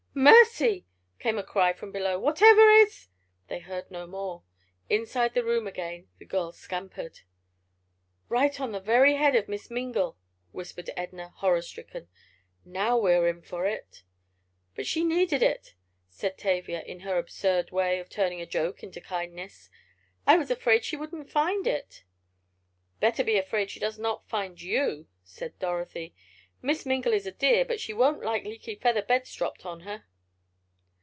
"Mercy!" came a cry from below. "Whatever is——" They heard no more. Inside the room again the girls scampered. "Right on the very head of Miss Mingle!" whispered Edna, horror stricken. "Now we are in for it!" "But she needed it," said Tavia, in her absurd way of turning a joke into kindness. "I was afraid she wouldn't find it." "Better be afraid she does not find you," said Dorothy. "Miss Mingle is a dear, but she won't like leaky feather beds dropped on her."